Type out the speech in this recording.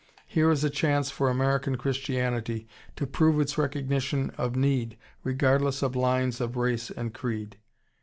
Here is a chance for American Christianity to prove its recognition of need regardless of lines of race and creed."